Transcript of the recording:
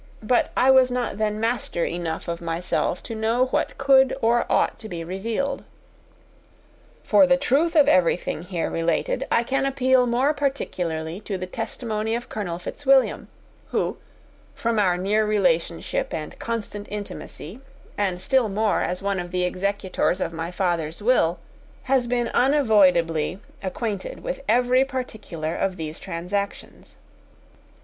But I was not then master enough of myself to know what could or ought to be revealed. For the truth of everything here related, I can appeal more particularly to the testimony of Colonel Fitzwilliam, who, from our near relationship and constant intimacy, and still more as one of the executors of my father's will, has been unavoidably acquainted with every particular of these transactions.